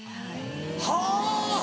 はぁ！